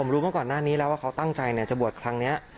รู้มาก่อนหน้านี้แล้วว่าเขาตั้งใจจะบวชครั้งนี้